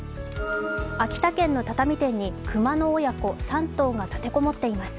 秋田県の畳店に熊の親子３頭が立て籠もっています。